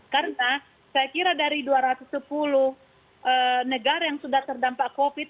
karena saya kira dari dua ratus sepuluh negara yang sudah terdampak covid